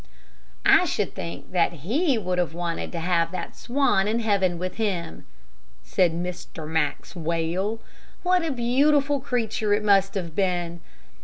"I should think that he would have wanted to have that swan in heaven with him," said Mr. Maxwell. "What a beautiful creature it must have been.